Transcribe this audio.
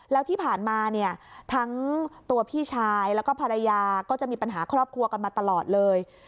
แล้วที่ผ่านมาเนี่ยทั้งตัวพี่ชายแล้วก็ภรรยาก็จะมีปัญหาครอบครัวกันมาตลอดเลย